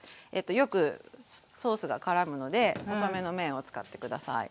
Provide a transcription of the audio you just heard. よくソースがからむので細めの麺を使って下さい。